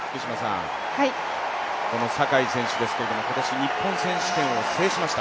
この坂井選手ですけれども今年日本選手権を制しました。